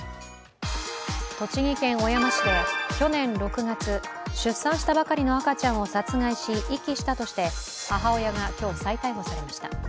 栃木県小山市で去年６月出産したばかりの赤ちゃんを殺害し、遺棄したとして母親が今日、再逮捕されました。